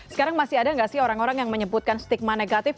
sekarang masih ada nggak sih orang orang yang menyebutkan stigma negatif